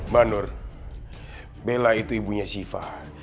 mbak nur bela itu ibunya siva